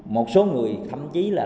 một số người thậm chí là